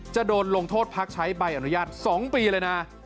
จะโดนลงโทษพักใช้ใบอนุญาต๒ปีเลยนะ